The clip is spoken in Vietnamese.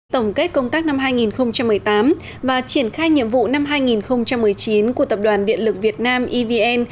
tổng kết công tác năm hai nghìn một mươi tám và triển khai nhiệm vụ năm hai nghìn một mươi chín của tập đoàn điện lực việt nam evn